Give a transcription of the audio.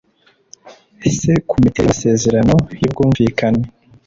c ku miterere y amasezerano y ubwumvikane